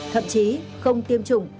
thậm chí không tiêm chủng